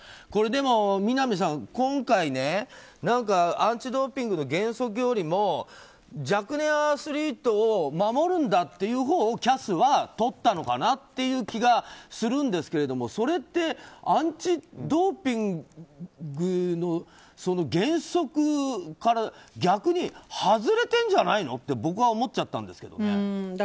これ、南さん、今回ねアンチ・ドーピングの原則よりも若年アスリートを守るんだというほうをＣＡＳはとったのかなっていう気がするんですけれどもそれって、アンチ・ドーピングの原則から逆に外れてるんじゃないのって僕は思っちゃったんですけどね。